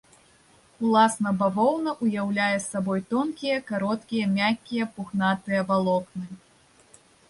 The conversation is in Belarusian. Уласна бавоўна ўяўляе сабой тонкія, кароткія, мяккія пухнатыя валокны.